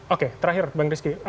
oke terakhir bang rizky